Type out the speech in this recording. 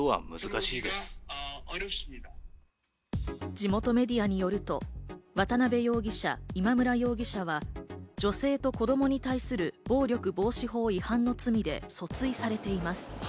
地元メディアによると、渡辺容疑者、今村容疑者は、女性と子どもに対する暴力防止法違反の罪で訴追されています。